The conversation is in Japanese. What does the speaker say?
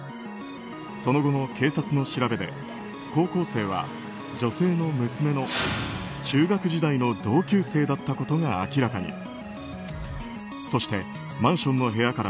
その後の警察の調べで高校生は女性の娘の中学時代の同級生だったことが明らかに。